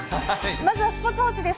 まずはスポーツ報知です。